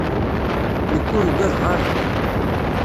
Nekk ur ugadeɣ ara.